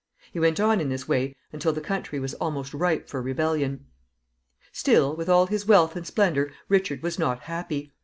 He went on in this way until the country was almost ripe for rebellion. Still, with all his wealth and splendor, Richard was not happy.